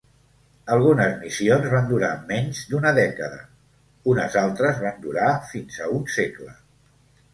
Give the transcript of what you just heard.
Algunes missions van durar menys d'una dècada, unes altres van durar fins a un segle.